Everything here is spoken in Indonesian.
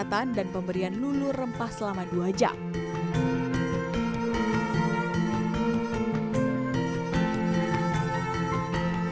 pijatan dan pemberian lulu rempah selama dua jam